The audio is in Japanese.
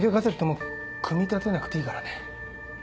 もう組み立てなくていいからね。